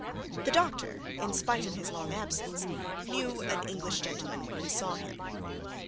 The doctor, in spite of his long absence, knew an English gentleman when he saw him.